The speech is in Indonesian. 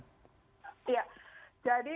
jadi kita melihat memang setelah psbb transisi ini